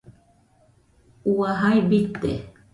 Ua, jai bite